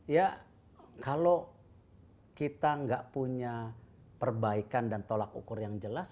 ya kalau kita nggak punya perbaikan dan tolak ukur yang jelas